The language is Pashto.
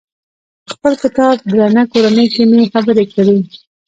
په خپل کتاب درنه کورنۍ کې مې خبرې کړي.